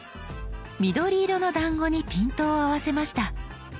緑色のだんごにピントを合わせました。